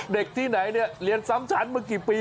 เด็กที่ไหนเนี่ยเรียนซ้ำชั้นมากี่ปี